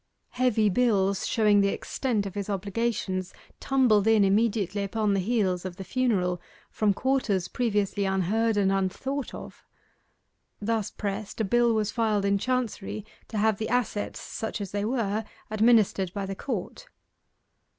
Heavy bills, showing the extent of his obligations, tumbled in immediately upon the heels of the funeral from quarters previously unheard and unthought of. Thus pressed, a bill was filed in Chancery to have the assets, such as they were, administered by the Court.